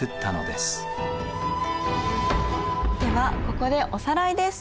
ではここでおさらいです。